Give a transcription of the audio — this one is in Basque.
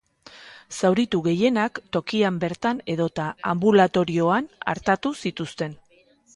Zauritu gehienak tokian bertan edota anbulatorioan artatu zituzten.